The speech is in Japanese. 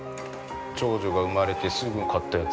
長女が産まれてすぐ買ったやつ。